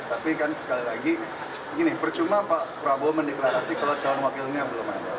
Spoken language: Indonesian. tapi kan sekali lagi percuma pak prabowo mendeklarasi kalau calon wakilnya belum ada